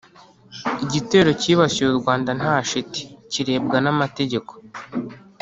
igitero cyibasiye u rwanda nta shiti kirebwa n'amategeko